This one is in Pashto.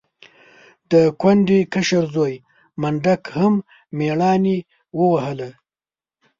د کونډې کشر زوی منډک هم مېړانې ووهله.